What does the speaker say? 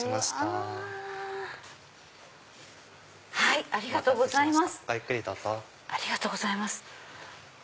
ありがとうございます。